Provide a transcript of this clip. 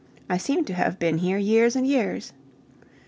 I seem to have been here years and years.